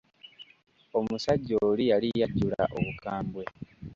Omusajja oli yali yajjula obukambwe.